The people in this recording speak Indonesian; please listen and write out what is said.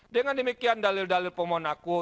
dengan demikian dalil dalil pemohon aku